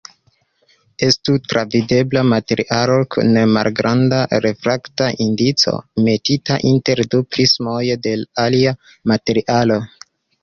Estu travidebla materialo kun malgranda refrakta indico, metita inter du prismoj de alia materialo.